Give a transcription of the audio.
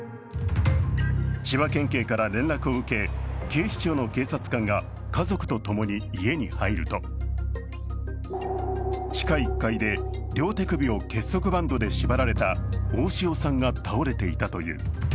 千葉県警から連絡を受け、警視庁の警察官が家族と共に家に入ると地下１階で両手首を結束バンドで縛られた大塩さんが倒れていたという。